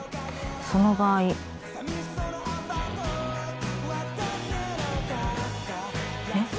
「その場合」えっ？